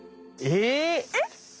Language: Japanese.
えっ？